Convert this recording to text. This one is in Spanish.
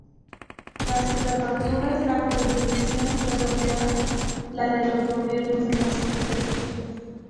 La "subprefectura" es la jurisdicción que rodea las de los gobiernos de las prefecturas.